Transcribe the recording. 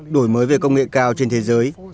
đổi mới về công nghệ cao trên thế giới